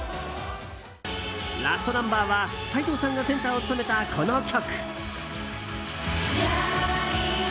ラストナンバーは齋藤さんがセンターを務めたこの曲。